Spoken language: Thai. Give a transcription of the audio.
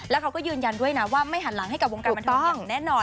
แล้วเขาก็ยืนยันด้วยนะว่าไม่หันหลังให้กับวงการบันเทิงอย่างแน่นอน